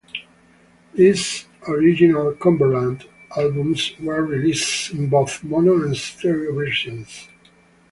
These original Cumberland albums were released in both mono and stereo versions.